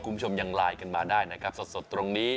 คุณผู้ชมยังไลน์กันมาได้นะครับสดตรงนี้